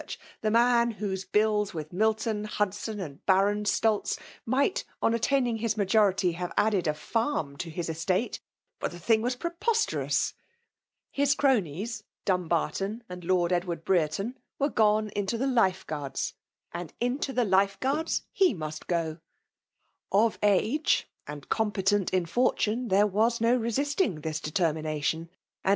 — ^the man whose bills with Milton> Hudson, and Baron Stulz, might, on attaining f&si mqority, have added a farm to his estate •^ihe thing was preposterous ! His cronies^ Bmnbarton and Lord Edward Brereton, were SQ&emto tbe life Guards, and Into the life c 3 91 FBBI&tft INMIINATIOie. Qwfk he miut gol— Of age, and eoiD]>etin4 in fortune, there was no resisting this deter mination ; and Mm.